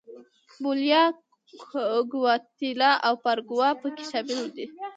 بولیویا، ګواتیلا او پاراګوای په کې شامل دي.